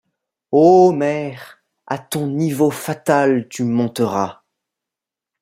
Ô mer, à ton niveau fatal tu monteras.